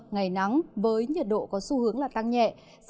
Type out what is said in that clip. ngày nắng với nhiệt độ có xu hướng tăng nhẹ